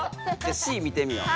「Ｃ」見てみよう。